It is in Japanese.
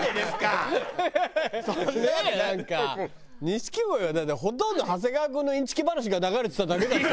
錦鯉はだってほとんど長谷川君のインチキ話が流れてただけだった。